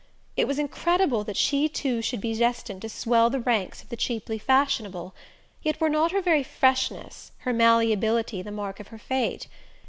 It was incredible that she too should be destined to swell the ranks of the cheaply fashionable; yet were not her very freshness, her malleability, the mark of her fate?